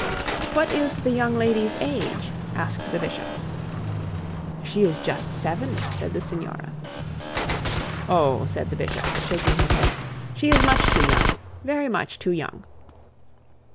'What is the young lady's age?' asked the bishop. 'She is just seven,' said the signora. 'Oh,' said the bishop, shaking his head; 'she is much too young very much too young.'